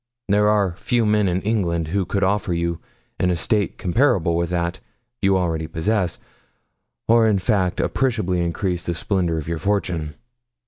There are few men in England who could offer you an estate comparable with that you already possess; or, in fact, appreciably increase the splendour of your fortune.